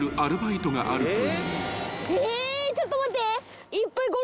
ちょっと待って。